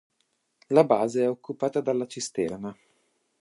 La base è occupata della cisterna.